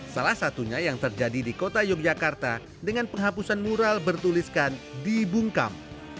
salah satunya yang terjadi di kota yogyakarta dengan penghapusan mural bertuliskan dibungkam